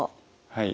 はい。